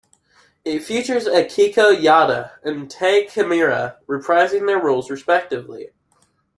It features Akiko Yada and Tae Kimura reprising their roles respectively.